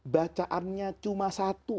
bacaannya cuma satu